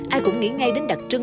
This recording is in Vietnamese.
ai cũng nghĩ ngay đến đặc trưng